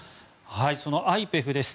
そのＩＰＥＦです。